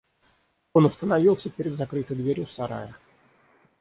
Он остановился перед закрытой дверью сарая.